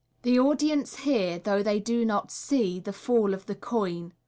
The audience hear, though they do not see, the fall of the coin.